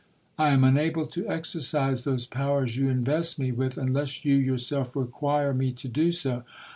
—I am unable to exercise those powers you invest me with, unless you yourself require me to do so.